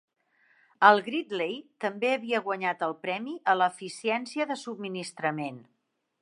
El Gridley també havia guanyat el premi a la Eficiència de Subministrament.